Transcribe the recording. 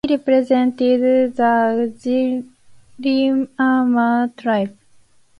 He represented the Giriama tribe.